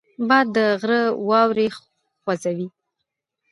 باد د غره واورې خوځوي